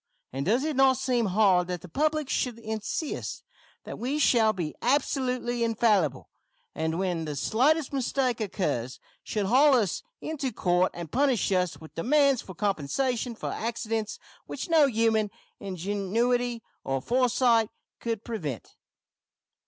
And does it not seem hard that the public should insist that we shall be absolutely infallible, and, when the slightest mistake occurs, should haul us into court and punish us with demands for compensation for accidents which no human ingenuity or foresight could prevent?